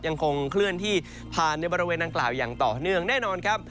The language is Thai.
ยังคงเคลื่อนที่ผ่านในบริเวณดังกล่าวอย่างต่อเนื่องแน่นอนครับ